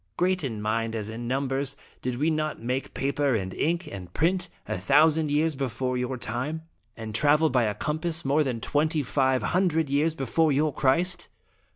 Great in mind as in num bers, did we not make paper and ink, and print, a thousand years before your time? and travel by a compass more than twenty five hundred years before your Christ?"